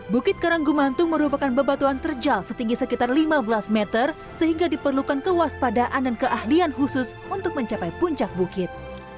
bukit karanggumantung merupakan bebatuan terjal setinggi sekitar lima belas meter sehingga diperlukan kewaspadaan dan keahlian khusus untuk mencapai puncak bukit